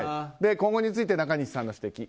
今後について中西さんの指摘。